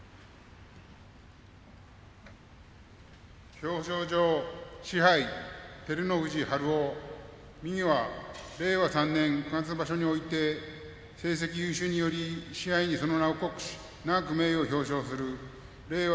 表彰状賜盃照ノ富士春雄右は令和３年九月場所において成績優秀により賜盃に、その名を刻し永く名誉を表彰する令和